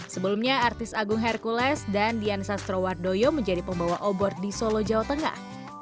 sebelumnya artis agung hercules dan dian sastrowardoyo menjadi pembawa obor di solo jawa tengah